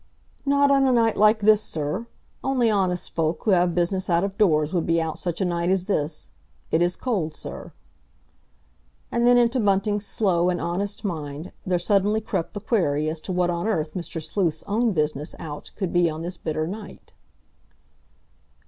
"Not on a night like this, sir. Only honest folk who have business out of doors would be out such a night as this. It is cold, sir!" And then into Bunting's slow and honest mind there suddenly crept the query as to what on earth Mr. Sleuth's own business out could be on this bitter night.